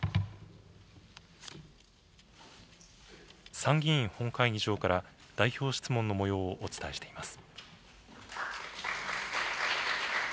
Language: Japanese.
参議院本会議場から代表質問のもようをお伝えしています。